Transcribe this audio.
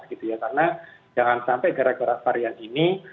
karena jangan sampai gara gara varian ini